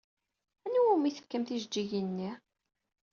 Anwa umi tefkam tijeǧǧigin-nni?